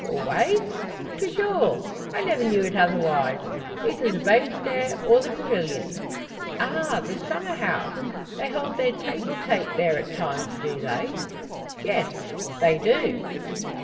"Always?" "Toujours! I never knew it otherwise. Either the boat stair, or the pavilion." "Ah! the summer house! They hold their tete a tete there at times; do they?" "Yes; they do."